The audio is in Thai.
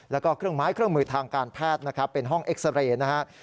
แล้วก็เครื่องไม้เครื่องมือทางการแพทย์นะครับเป็นห้องเอ็กซาเรย์นะครับ